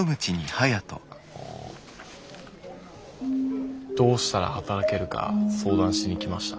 あのどうしたら働けるか相談しに来ました。